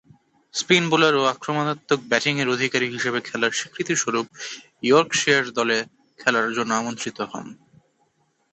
Spin bowler ও আক্রমণাত্মক ব্যাটিংয়ের অধিকারী হিসেবে খেলার স্বীকৃতিস্বরূপ ইয়র্কশায়ার দলে খেলার জন্য আমন্ত্রিত হন।